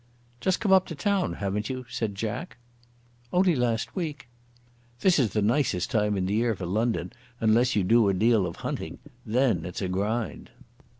"Just come up to town, haven't you?" said Jack. "Only last week." "This is the nicest time in the year for London, unless you do a deal of hunting; then it's a grind."